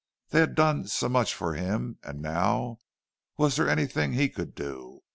They had done so much for him—and now, was there anything that he could do?